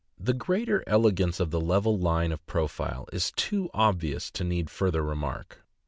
The greater elegance of the level line of profile is too obvious to need further remark.